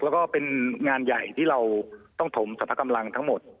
แล้วก็เป็นงานใหญ่ที่เราต้องถมสรรพกำลังทั้งหมด